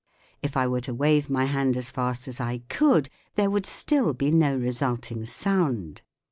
If I were to wave my hand as fast as I could there would still be no resulting sound.